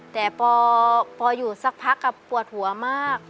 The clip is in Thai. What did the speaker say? แต่พออยู่สักพักปวดหัวมาก